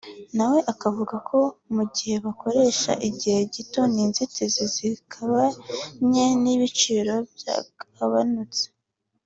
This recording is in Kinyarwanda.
na we avuga ko mu gihe bakoresha igihe gito n’inzitizi zikaba nke n’ibiciro byagabanuka